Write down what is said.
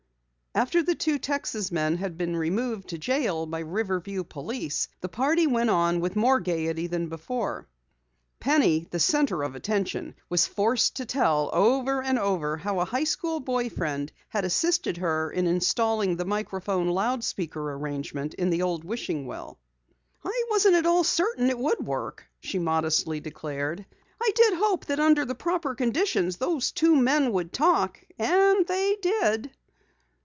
After the two Texas men had been removed to jail by Riverview police, the party went on with more gaiety than before. Penny, the center of attention, was forced to tell over and over how a high school boy friend had assisted her in installing the microphone loudspeaker arrangement in the old wishing well. "I wasn't at all certain it would work," she modestly declared. "I did hope that under the proper conditions, those two men would talk, and they did!"